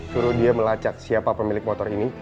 suruh dia melacak siapa pemilik motor ini